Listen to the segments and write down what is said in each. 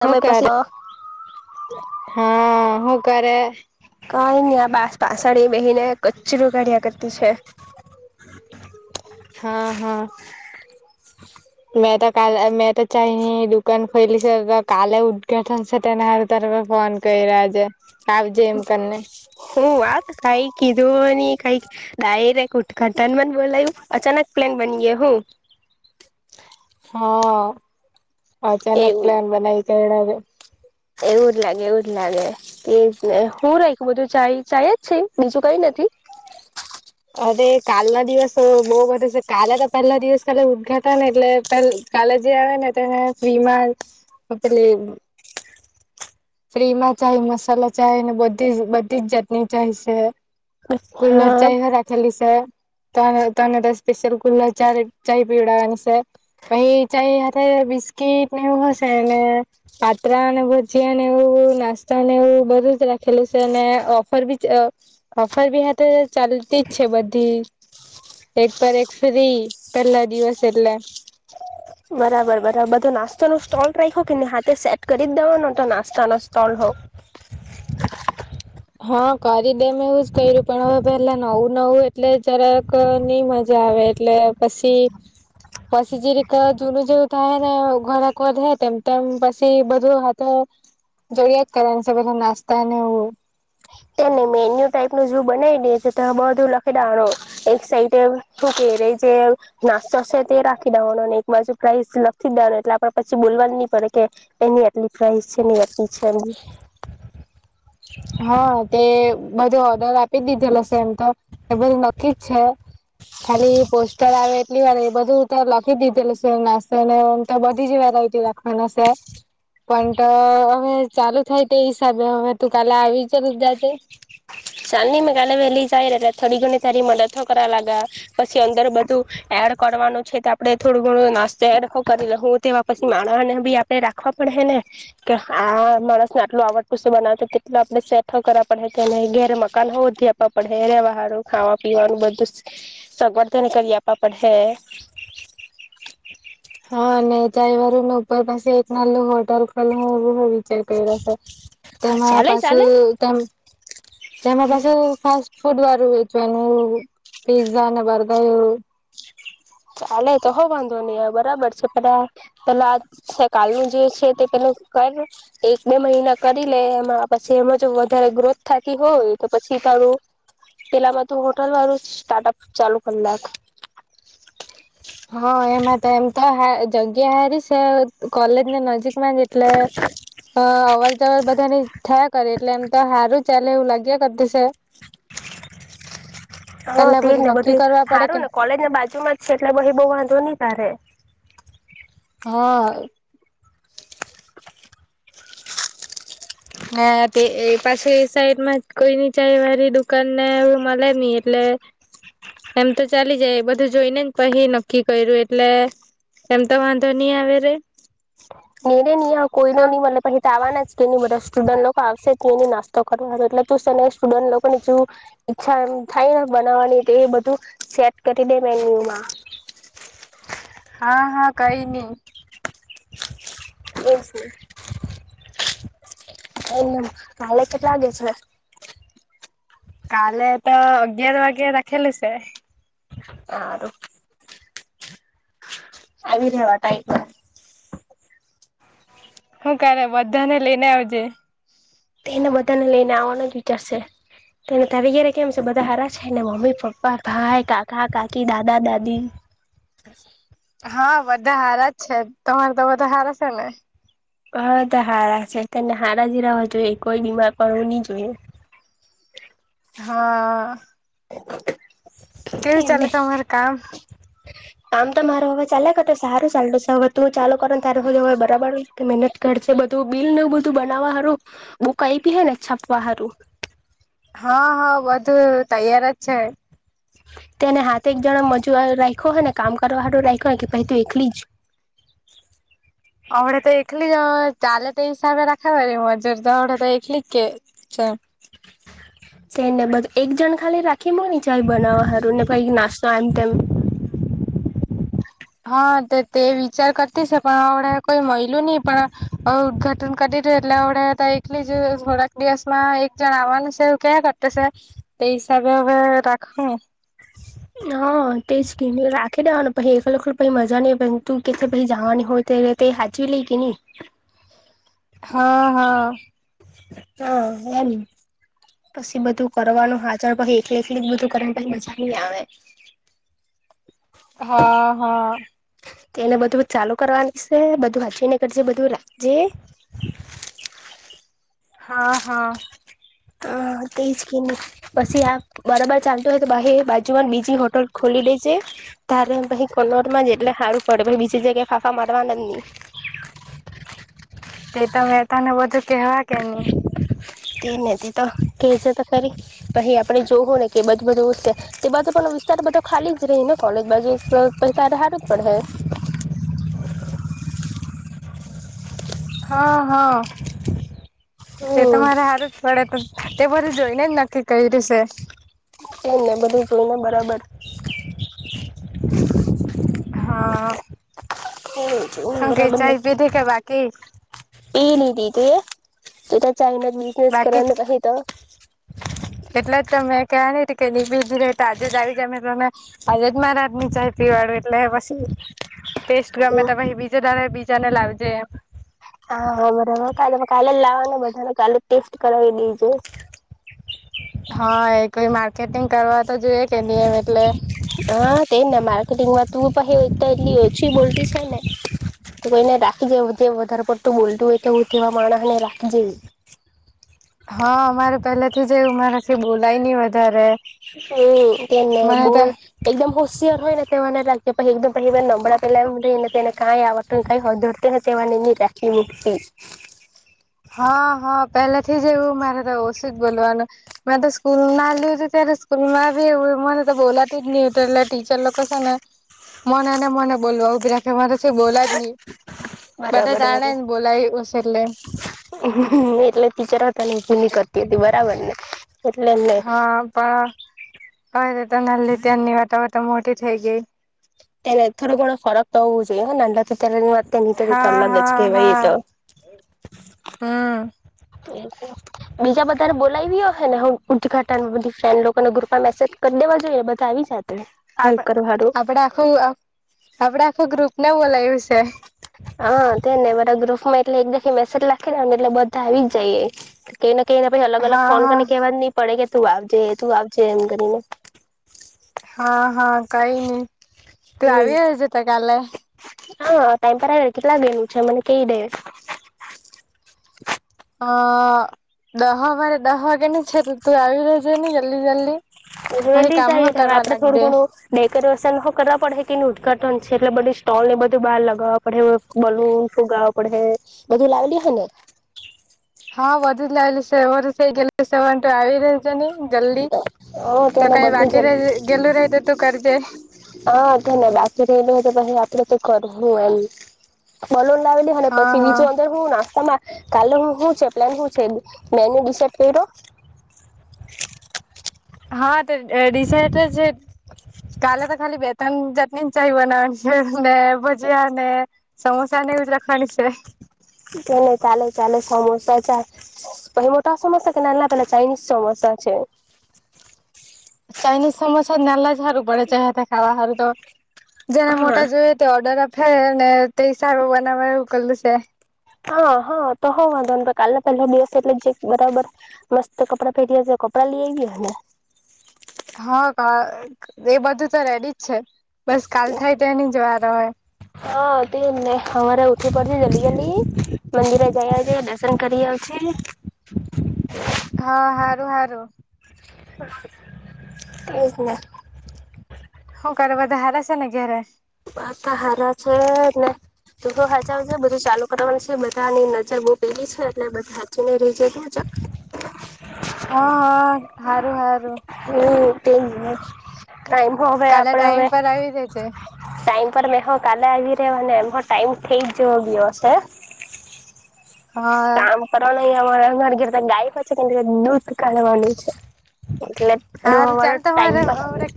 હું તમે કરે પછી હા હું કરે કઈ ની આ પાછળ બેહી ને કચરો કાઢિયા કરતી છે. હા હા [inaudible] મેં તો કાલ મેં તો ચા ની દુકાન ખોલી છે કાલે ઉદઘાટન છે તેના હારુ ફોન કરયા આજે આવજે એમ કરીને હું વાત કાઈ કીધું નની કઈક ડાયરેક્ટ ઉદઘાટન માં જ બોલાયું અચાનક પ્લેન બની ગયો હું [inaudible] હા અચાનક પ્લાન બનાવી કાઢ્યા છે. એવું એવું જ લાગે એવું જ લાગે એ જ હું રા બધું ચ ચા જ છે બીજું કઈ નથી હ કાલ ના દિવસ તો બહુ વધે છે કાલે તો પહેલા દિવસ કાલે ઉદ્ઘાટ ને એટલે પર કાલે જે આવે ને ફ્રીમાં પેલ એ હ્ ફ્રી માં ચાય મસાલા ચાય અને બધી બધી જ જાતની ચાય છે. કુલર હા ચાઇ હે અ રા ખેલી સ તને તને દસ સ્પેસલ કુલર ચાર ચાય પીડાવાંની છે. પહી ચાઈ હાથે બિસ્કીટ ને એવું હશેય ને પાત્રા અને ભજીયાને એવું નાસ્તા ને એવું બધું જ રાખેલું છે અને ઓફર બી ઓફર બી હાતે ચાલતી જ છે બધી એક પર એક ફ્રી પેહલા દિવસ એટલે બરાબર બરાબર બધો નાસ્તો નુ સ્ટોલ રાખો કેને હાથે સેટ કરી જ દવાનો તો નાસ્તાનો સ્ટોલ હો હા કરી દેમ એવું જ કર્યું પણ હવે પેલા નવું નવું એટલે જરાક નઈ મજા આવે એટલે પછી પછી જે રીતે જૂનું જેવું થાય ને ઘરાક વધહે તેમ તેમ પછી બધું હાથે જોડિયાત કરવુ છે બધા નાસ્તા ને એવુ તેને મેન્યુ ટાઈપ નુ જો બનાવી દે છે તો બહારનો લખે દવાણુ એક સાઇડે એમ નાસ્તો છે તે રાખી દેવાનો ને એક બાજુ પ્રાઇઝ લખી દેવાનો એટલે આપણે પછી બોલવાની નહી પડે કે એની આટલી પ્રઇસ છે ની આટલી છે એ હા તે બધું ઓર્ડર આપી દીધેલા સે એમ તો એ બધું નક્કી જ છે. ખાલી પોસ્ટર આવે એટલી વાર એ બધું તો લખી દીધેલું છે નાસ્તો નેમ તો બધી જ વાત રાખણ છે. પણ તો હવે ચાલુ થાય તે હિસાબે હવે તું કાલે આવી ચાલુ જ જાશે સાંજની મેં કાલે વહેલી જાય એટલે થોડી ઘણી તારી મદદ કરવા લાગ્યા પછી અંદર બધું એડ કરવાનું છે તો આપડે થોડું ઘણું ખો કરી લ હું તેવા પછી માણહ ને ભી આપડે રાખવા પણ હે ને કે આ માણસ આટલું આવડતું શું બનાવ તેટલું આપણે સેઠ કરવા પડહે મકાન હોધી આપવા પડે હે રવાહારું ખાવા પીવાનું બધું સવર્ધન કરી આપવા પડેહે તે. હા અને ચાય વારુ ને ઉપર પાસે એક નાલું હોટલ ખોલહુ એવું હોય શે હા તેમાં ચાલે પાછું ચાલે તેમ તેમાં પાછુ ફાસ્ટ ફૂડ વારુ જનું પીઝ્ઝા અને બર્ગર ચાલે તો હોઉ વાંધો નહી બરાબર છે પણ પેલા આ કાલ નુ જે છે તે પેલ એક બે મહિના કરી લે એમાં પછી એમાં જો વધારે ગ્રોથ થતી હોય તો પછી સી તારું પેલા બધું હોટલ વાળું સ્ટાર્ટઅપ ચાલુ કર લાખ. હ એમાં તો એમ તો હા જગ્યા હારી સે કલેજ ની નજીક એટલે અવર જવર બધાની થયા કરે એટલે એમ તો સારું જ ચલેવું લાગ્યા કરતી છે. હ પેલા તેજ ને નક્કી બધું કરવા પડે સારું કે ને કોલેજ બાજુ માં જ છે, એટલે ભાઈ બહુ વાં ધો ની તારે. હા. હા તે એ પાસે સાઈડ માં જ કોઈ નીચાઈ વાળી દુકાન ને એવું મળે ની એટલે. એમ તો ચાલી જાય એ બધું જોઈને પછી નક્કી કર્યું એટલે. એમ તો વાંધો નહી આવે રે. નીરે નહી કોઈ ન હા મલે પછી તોવાના જ કે નહી બધા સ્ટુડન્ટ લોકો આવશે જ. નાસ્તો કરવા એટલે તુંને સ્ટુડન્ટ લોકોને ઈચ્છા એમ થાયને બનાવાની બધ તું સેટ કરી દે મેન્યુમાં. હા હા કઈ નહી. બસો. એ કાલે કેટલા વાગે છે? કાલે તો અગિયાર વાગ્યા રાખે લઈશે. [unintelligible] આવી રેવા ટાઈ. હું કાલે બધાને લઈને આવજે. એને બધાને લઈને આવવાનો જ વિચારશે. તેને તયરે કેમ છે બધા હરા છે ને મમ્મી, પપ્પા, ભાઈ, કાકા, કાકી, દાદા, દાદી, હા બધા હારા જ છે, તમારે તો બધા હારા છે ને? હ તો હારા છે, તને હારા જ રવા જોઈએ કોઈ બીમાર પાડવું નહી જોઈએ. [inaudible] હા કેવી ચાલે એને તમાર કામ? આમ તો મારો હવે ચાલે કરટ સારું ચાલુ છે હવે તું ચાલો કરોને તયારે હવે બરાબર કે મહેનત કરજે. બિલને બધું બનાવવા હારું બુક આપી હે ને છપવા હારું? હા હા બધું તૈયાર જ છે [inaudible] તેને હાથે એક જણા મજુર રાખ્યો હો ને કામ કરવા વાળું રાખ્યોને કે પછી તું એકલી જ [inaudible] હમણાં તો એકલી જ ચાલે તે હિસાબે રાખે વાળી મજુર તો હમણાં તો એકલી છે [inaudible] છે ને બધ એક જણ ખાલી રાખી મૂકને ચાય બનાવવા હારું ને કઈ નાસ્તો એમ તેમ [inaudible] હા તે વિચાર કરતી છે પણ હમડે કોઈ મયલુ ની પણ ઉદ્ઘાટન કરી એટલે વડે એકલીી જ થોડાક દિવસ માં એક જણ આવવાનું છે એવું ક્યાં કરતા છે હિસાબ હવે રાખ હુ [inaudible] હા તે જ કેમ ની રાખી દેવાનું પહી એખલુ એખલુ પછી મજા ની આવે મજા નઈય પણ તું કેટલી પછી જવાની હોય તે હાચવી લે કી ની હા હા હા એમ પછી બધું કરવાનું હાજ પછી એકલે એકલી બધું કરી મજા નઈ આવે [inaudible] હા હા તે એને બધું ચાલુ કરવા ની છે બધું હાચી ને કરજે બધું જે હા હા હા તેજ કે ની પછી આ બરાબર ચાલતુ હોય તો બાજુ ને બીજી હોટલ ખોલી લે તારે કનોરમાં એંટલે સારું પડે બીજી જગ્યાએ ફાફા મારવાનું નહી [inaudible] કેવા કે હવે તેને તે તો કે છે તો ખરી. અહી આપડે જોવ હોય કે એ બધ બધું તે બાજુ પણ વિસ્તાર બધો ખાલી જ રહી ને કોલેજ બાજુ સ પછી તારે હારું જ પડહે. હા હા તે હમ તમારે હારુ જ પડે તો તે બધું જોઈને જ નક્કી કયરુ છે એમને બધું જોઈને બરાબર. હા જોઈને હું કે ચાઈ પીધી કે બાકી? પી લીધી તુ એ તું તો ચાઈનો જ બિઝનેસ બાકી કરવાની પહી તો. એટલે જ તમેં ક્યાંની ટી કેની બીજી રેતા આજે જ આવી જાય મે તો તમે આજે જ મારા હાથની ચાય પીવા એટલે પછી ટેસ્ટ ગમે તો પછી બીજા ટાણે બીજાને લાવજે એમ. હા બરાબર કા કાલે લાવવા બધા ન કાલે ટેસ્ટ કરાવી દે. હા એ કોઈ માર્કેટિંગ કરવા તો જોઈએ કે ની હવે. હા તે ને માર્કેટિંગમાં તું પહે એક તો એટલી ઓછી બોલતી છે ને તો કોઈને રાખી જોય જે વધારે પડતું બોલતું હોય તો હું તેવા માણસ ને રાખી જે હા અમારે પેલાથી જ એવુ મારાથી બોલાય નહી વધારે. હમ્મ તેને મને તો બહ એકદમ હોશિયાર હોયને તેવા ને રાખ કે પણ એકદમ પેલી વાર એવા નબળા પેલા એમ કઈને તેને કાય આવડતું કઈ હળદર તો એને તેવાને એની રાખી મુકીતી [inaudible] હા હા પેલા થી જ એવું મારે તો ઓશિત બોલવાનું મેં તો સ્કૂલ ના નાની હતી ત્યારે તો સ્કૂલમાં બી એવું મને તો બોલાતું જ ની હતું એટલા ટીચર લોકો શે ને મને ને મને બોલવા ઉભી રાખે મારાથી બોલાય નઈ બધા બરાબર જાણે બરાબર. ને બોલાય હશે એટલે એટલે ટીચર હો તને ઊભી ની કરતી હતી બરાબર ને. એટલે એમને હા પણ કાય નત તે નાની ત્યાંની વાત હવે તો મોટી થઈ ગય. ત્યારે થોડું ઘણો ફરક તો હોવું જોઈએ નાના હતા ત્યારેની વાત તેની તર એક હા અલગ જ હા કેહેવાય એ હા તો. હમ બીજા બધારે [unintelligible] હ ને હ ઉદઘાટન બધી ફ્રેન્ડ લોક અને ગ્રપમાં મેસેજ કરી દેવા જોઈએ બધા આવી જ જાત. આપડે આખું આપડે આખું ગ્રુપને બોલાયું છે. હા તે ને મારા ગ્રુપ માં એટલે એક દખ મેસેજ લખી [unintelligible] ને એટલે બધા આવી જાય કે એને કે એને પછી અલગ અલગ હા ફોન હા કરીને કેવા નહી પડે કે તું આવજે તું આવજે એમ કરીને. હા હા કઈ નહી તું હમ. આવી રહ્યો જ છે, તો કાલે. હા ટાઈમ પર આવે કેટલા દી નું છે, મને કહી દે અ દહવારે દહ વાગે ને છે, તોતું આવી જજે ને જલ્દી જલ્દી પછી વેલી જ કામ હો આવીસ હવે કરવા આપડે થોડું લાગજે ઘણું મેકઅપ [unintelligible] કરવા પડે કે એ ઉદઘાટન છે, એટલે બધી સ્ટોલ ને બધું બહાર લગાવવા પડે બલૂન ફુગાવા પડે. બધું લાવલી હ ને. હા બધુંજ લાવેલું છે. [unintelligible] જલ્દી હા તો તેને કઈ બધી જ બાકી રહી ગેલું રહે તો તું કરજે. હા તને રાત્ર [unintelligible] આપણે તો કરવું એમ. બલૂન લાવેલી અને હા પછી હા બીજો અંદર હું નાસ્તામાં કાલે શું છે પ્લાન શું છે? મેનુ [unintelligible] કર્યો? [inaudible] હા ડીસાઈડ જ છે, કાલે તો ખાલી બે જટની ચાઈ બનાવાની છે, ને ભજીયા અને સમોસા ને ભજીયા રાખવાની છે. કેને ચાલે ચાલે સમોસા ચા [unintelligible] મોટા સમોસા કે ના એલા પેલા ચાઇનીઝ સમોસા છે. ચાઈનિઝ સમોસા નાના જ હારું પડે છે, હાથે ખાવા હારું તો. જેને હા. મોટા જોઈ તે ઓર્ડર આપે ને તે સારું બનાવવા ઉકેલું છે. હા હા તો હ વાંધો નઈ તો કાલે પહેલા દિવસ એટલે જે બરાબર મસ્ત કપડાં પહેરીર્યા છે. કપડાં લી આવી હ ને. હા [unintelligible] એ બધું તો રેડી. છે, બસ કાલ થાય તેની જ વારો [unintelligible] હા તે જ ને હવારે ઊઠવું પડશે જલ્દી જલ્દી. મંદિરે જઈ આવજે દર્શન કરી આવજે. હા હારું હારું. એજ ને. હું કરે બધા હારા છે, ને ઘરે. બધા હારા છે, ને તું તો હચાવજે બધું ચાલુ. છે, બધાની નજર બઉ પેલી છે એટલે બધે હાચવીને રહેજે તું. હા હા હારું હારું [unintelligible] ટાઈમ તો હવે કાલે આપડે હવે ટાઈમ પર આવી રેજે ટાઈમ પર મેં હ કાલે આવી રહ્યોને એમ હવ ટાઈમ થઈ જ જવો ગયો હશે. [inaudible] હા કામ કરવા ન અમારે અમારે ઘરેતો ગાય પણ છે, કે દૂધ. કાઢવાનું છે, એટલે હારું દૂધવાળો ચાલ ટાઈમ તમારે પર અવડે આવી.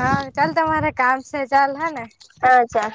હા ચાલ તમારે કામ છે, ચાલ હ ને. હા ચાલ.